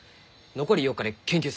残り４日で研究する。